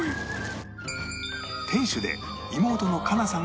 店主で妹の佳奈さん